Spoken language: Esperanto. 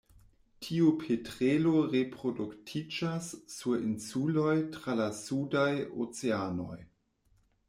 Tiu petrelo reproduktiĝas sur insuloj tra la sudaj oceanoj.